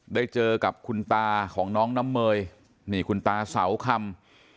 ได้เจอกับคุณตาของน้องน้ำเมยนี่คุณตาเสาคำ